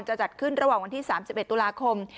จะจัดขึ้นระหว่างวันที่๓๑ตุลาคม